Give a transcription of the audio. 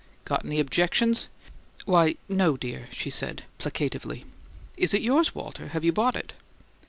"Got 'ny 'bjections?" "Why, no, dear," she said, placatively. "Is it yours, Walter? Have you bought it?"